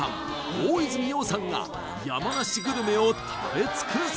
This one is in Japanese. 大泉洋さんが山梨グルメを食べ尽くす